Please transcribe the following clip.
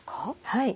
はい。